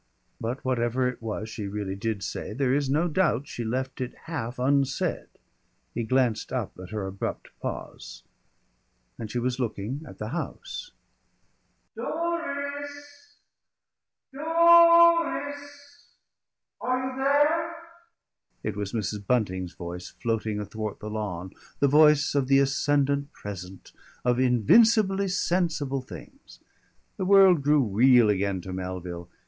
But whatever it was she really did say, there is no doubt she left it half unsaid. He glanced up at her abrupt pause, and she was looking at the house. "Do ... ris! Do ... ris! Are you there?" It was Mrs. Bunting's voice floating athwart the lawn, the voice of the ascendant present, of invincibly sensible things. The world grew real again to Melville.